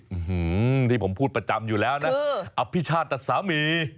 อื้อหือที่ผมพูดประจำอยู่แล้วนะคืออภิชาตรสามี